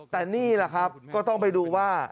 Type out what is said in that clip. แต่นี่แหละครับก็ต้องไปดูว่า